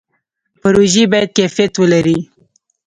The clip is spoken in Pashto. پروژې باید کیفیت ولري